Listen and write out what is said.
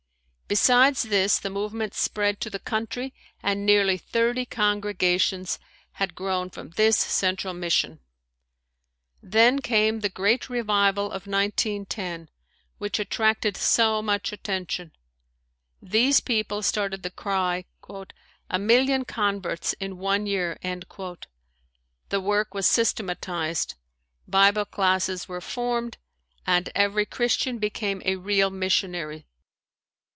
Besides this the movement spread to the country and nearly thirty congregations had grown from this central mission. Then came the great revival of 1910 which attracted so much attention. These people started the cry, "A million converts in one year." The work was systematized. Bible classes were formed and every Christian became a real missionary.